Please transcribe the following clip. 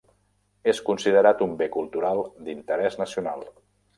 És considerat un Bé Cultural d'Interès Nacional.